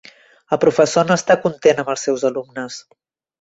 El professor no està content amb els seus alumnes.